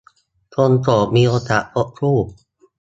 คนโสดมีโอกาสพบคู่